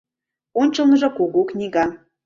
Ончылныжо кугу книга.